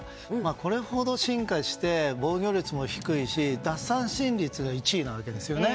これほど進化して防御率も低いし奪三振率が１位なわけですよね。